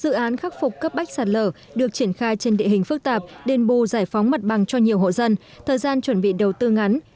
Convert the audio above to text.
dự án khắc phục cấp bách sạt lở được triển khai trên địa hình phức tạp đền bù giải phóng mặt bằng cho nhiều hộ dân thời gian chuẩn bị đầu tư ngắn